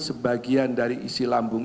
sebagian dari isi lambung